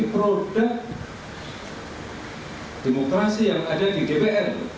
produk demokrasi yang ada di dpr